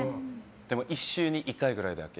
でも１週に１回ぐらいだけ。